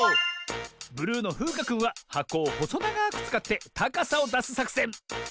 ブルーのふうかくんははこをほそながくつかってたかさをだすさくせん。